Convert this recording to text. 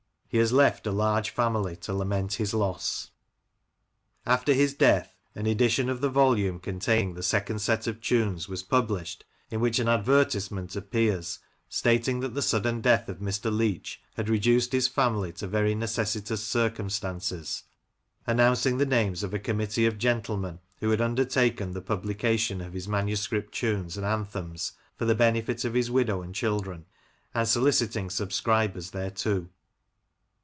He has left a large family to lament his loss." 64 Lancashire Characters and Places. After his death an edition of the volume containing the second set of tunes was published, in which an advertisement appears stating that the sudden death of Mr. Leach had reduced his family to very necessitous circumstances, an nouncing the names of a committee of gentlemen who had undertaken the publication of his manuscript tunes and anthems for the benefit of his widow and children, and soliciting subscribers thereto.